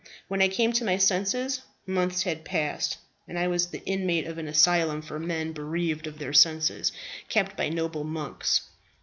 When I came to my senses months had passed, and I was the inmate of an asylum for men bereaved of their senses, kept by noble monks.